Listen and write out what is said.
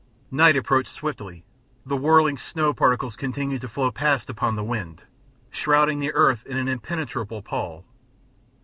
Night approached swiftly, the whirling snow particles continued to flow past upon the wind, shrouding the earth in an impenetrable pall.